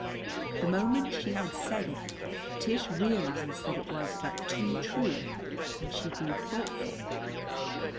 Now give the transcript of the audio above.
The moment she had said it, Tish realized that it was but too true, and she grew thoughtful.